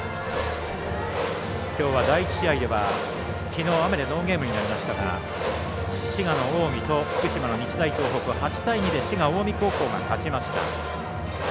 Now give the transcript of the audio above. きょうは第１試合ではきのう雨でノーゲームになりましたが滋賀の近江と福島の日大東北、８対２で滋賀の近江高校が勝ちました。